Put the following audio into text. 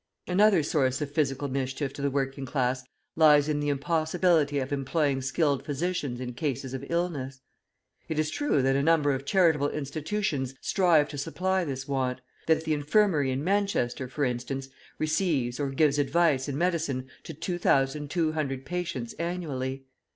Another source of physical mischief to the working class lies in the impossibility of employing skilled physicians in cases of illness. It is true that a number of charitable institutions strive to supply this want, that the infirmary in Manchester, for instance, receives or gives advice and medicine to 2,200 patients annually.